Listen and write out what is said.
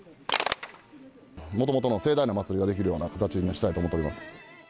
もともとの盛大な祭りができるような形にしたいと思っております。